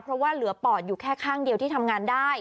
เพราะว่าเหลือปอดอยู่แค่ข้างเดียวที่ทำงานได้